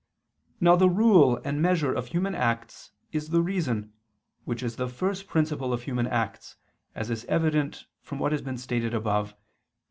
Now the rule and measure of human acts is the reason, which is the first principle of human acts, as is evident from what has been stated above (Q.